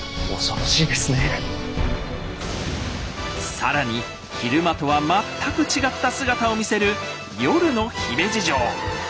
更に昼間とは全く違った姿を見せる夜の姫路城。